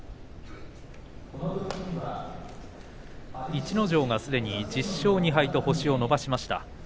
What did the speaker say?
逸ノ城がすでに１０勝２敗と星を伸ばしました。